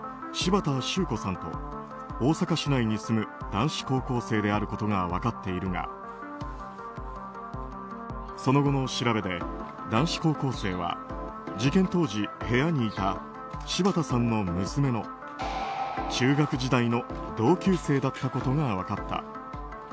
柴田周子さんと大阪市内に住む男子高校生であることが分かっているがその後の調べで、男子高校生は事件当時、部屋にいた柴田さんの娘の中学時代の同級生だったことが分かった。